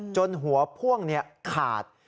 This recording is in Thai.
จนหัวพ่วงขาด